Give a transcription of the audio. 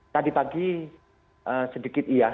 tadi pagi sedikit iya